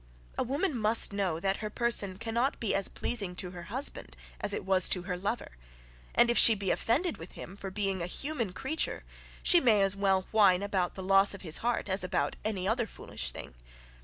A woman must know, that her person cannot be as pleasing to her husband as it was to her lover, and if she be offended with him for being a human creature, she may as well whine about the loss of his heart as about any other foolish thing.